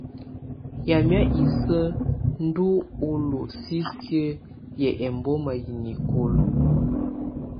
Yamɛ̀á isǝ́ ́ ndù ɔlɔ sisiǝ́ yɛ̀á ɛmbɔma yɛ nikulǝ.